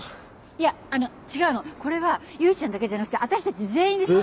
いやあの違うのこれは唯ちゃんだけじゃなくて私たち全員で相談。